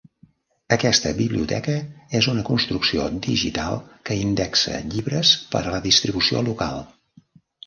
Aquesta biblioteca és una construcció digital que indexa llibres per a la distribució local.